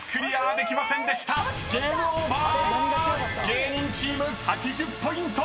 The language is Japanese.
芸人チーム８０ポイント！］